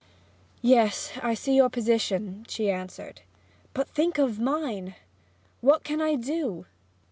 'Yes, I see your position,' she answered. 'But think of mine! What can I do?